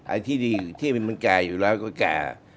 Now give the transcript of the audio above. ไอ้ที่ดีที่มันแก่อยู่ร้อยกว่าแก่